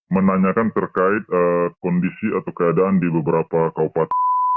menanyakan terkait kondisi atau keadaan di beberapa kabupaten